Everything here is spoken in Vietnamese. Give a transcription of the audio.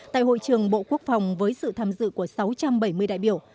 tại hội trường bộ quốc phòng với sự tham dự của sáu trăm bảy mươi đại biểu